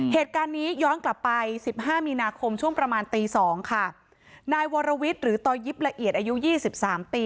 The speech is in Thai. เหตุการณ์นี้ย้อนกลับไปสิบห้ามีนาคมช่วงประมาณตีสองค่ะนายวรวิทย์หรือต่อยิบละเอียดอายุยี่สิบสามปี